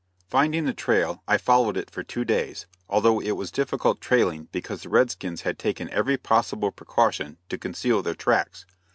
Finding the trail, I followed it for two days, although it was difficult trailing because the red skins had taken every possible precaution to conceal their tracks.